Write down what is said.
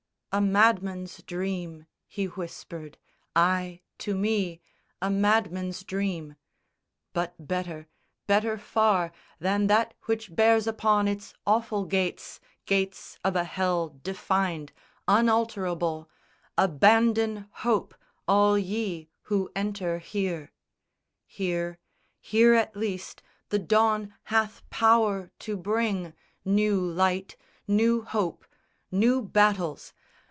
"A madman's dream," he whispered, "Ay, to me A madman's dream," but better, better far Than that which bears upon its awful gates, Gates of a hell defined, unalterable, Abandon hope all ye who enter here! Here, here at least the dawn hath power to bring New light, new hope, new battles.